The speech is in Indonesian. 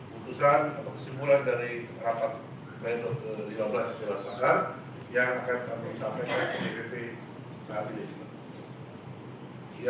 kutusan kesimpulan dari rapat dpi lima belas dewan pakar yang akan kami sampaikan di pp saat ini